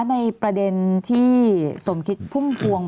ในประเด็นที่สมคิดพุ่มพวง